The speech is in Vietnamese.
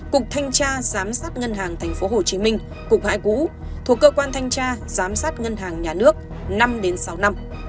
cục thanh tra giám sát ngân hàng tp hcm cục hải cũ thuộc cơ quan thanh tra giám sát ngân hàng nhà nước năm sáu năm